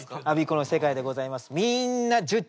アビコの世界でございます。